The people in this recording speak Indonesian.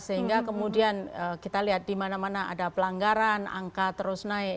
sehingga kemudian kita lihat di mana mana ada pelanggaran angka terus naik